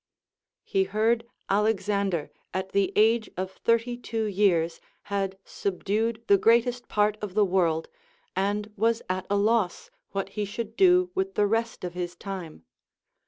He heard Alexander at the age of thirty two years had subdued the greatest part of the world and was at a loss what he should do with the rest of his time.